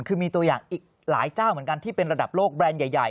คือมีตัวอย่างอีกหลายเจ้าเหมือนกันที่เป็นระดับโลกแบรนด์ใหญ่